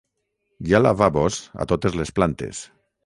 Hi ha lavabos a totes les plantes.